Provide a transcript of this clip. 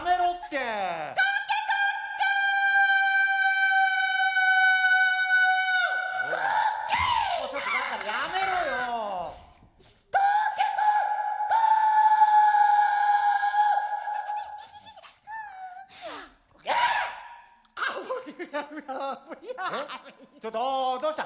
えっちょっとおどうした？